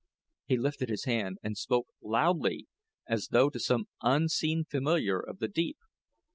He lifted his hand and spoke loudly, as though to some unseen familiar of the deep.